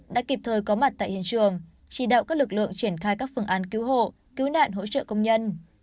đã kịp thời có mặt tại hiện trường chỉ đạo các lực lượng triển khai các phương án cứu hộ cứu nạn hỗ trợ công nhân